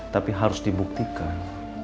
tapi harus dibuktikan